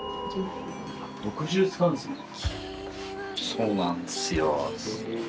そうなんすよ。